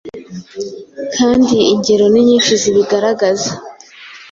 kandi ingero ni nyinshi zibigaragaza.